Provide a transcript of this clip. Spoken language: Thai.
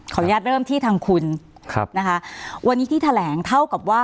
อนุญาตเริ่มที่ทางคุณครับนะคะวันนี้ที่แถลงเท่ากับว่า